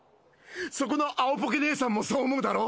そこの青ポケ姉さんもそう思うだろ？